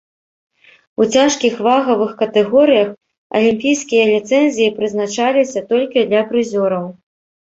У цяжкіх вагавых катэгорыях алімпійскія ліцэнзіі прызначаліся толькі для прызёраў.